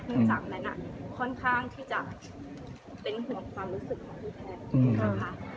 เนื่องจากแม้ตค่อนข้างที่จะเป็นอย่างคุณความรู้สึกของพี่แพทย์